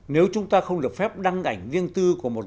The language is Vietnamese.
nếu chúng ta không được phép đăng ảnh riêng tư của một đời